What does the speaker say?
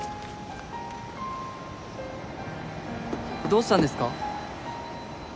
どうしたんですか？